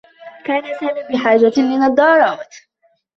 كان سامي بحاجة لنظّارات.